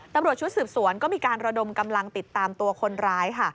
ตำรวจชุดสืบสวนก็มีการระดมกำลังติดตามตัวคนร้ายค่ะ